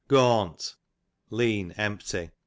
Gaunt, lean, empty.